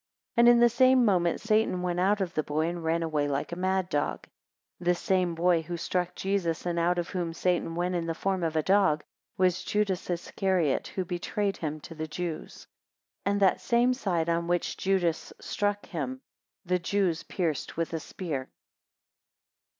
8 And in the same moment Satan went out of the boy, and ran away like a mad dog. 9 This same boy who struck Jesus, and out of whom Satan went in the form of a dog, was Judas Iscariot, who betrayed him to the Jews. 10 And that same side, on which Judas: struck him, the Jews pierced with a spear.